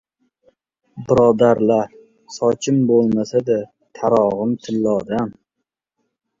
Birodarlar, sochim bo‘lmasa-da tarog‘im tillodan!